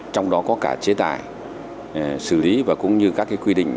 trong đó có cả chế tài xử lý và cũng như các quy định